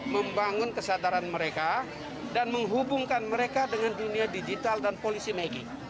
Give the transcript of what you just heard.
membangun kesadaran mereka dan menghubungkan mereka dengan dunia digital dan polisi magging